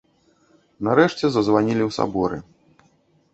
Нарэшце зазванілі ў саборы.